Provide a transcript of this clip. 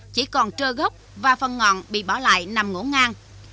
chỉ còn trơ gốc và phần ngọn bị bỏ lại nằm ngổ ngang